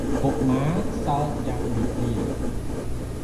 កុមារសើចលេងយ៉ាងរីករាយ។